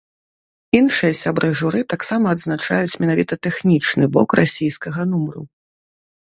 Іншыя сябры журы таксама адзначаюць менавіта тэхнічны бок расійскага нумару.